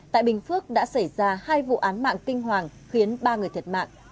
tại bình phước đã xảy ra hai vụ án mạng kinh hoàng khiến ba người thiệt mạng